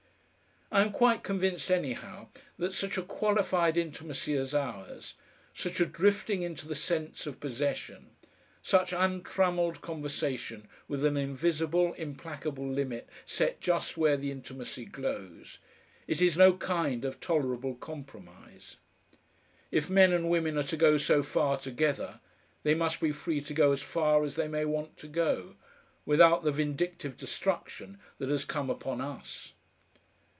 I am quite convinced anyhow that such a qualified intimacy as ours, such a drifting into the sense of possession, such untrammeled conversation with an invisible, implacable limit set just where the intimacy glows, it is no kind of tolerable compromise. If men and women are to go so far together, they must be free to go as far as they may want to go, without the vindictive destruction that has come upon us.